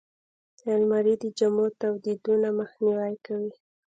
الماري د جامو تاویدو نه مخنیوی کوي